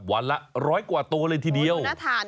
วันละ๑๐๐กว่าตัวเลยทีเดียว